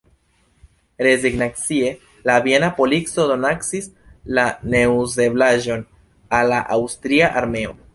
Rezignacie la viena polico donacis la neuzeblaĵon al la aŭstria armeo.